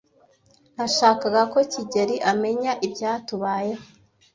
Nashakaga ko kigeli amenya ibyatubayeho.